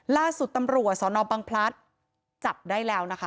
ล่าสุดตำรวจสนบังพลัดจับได้แล้วนะคะ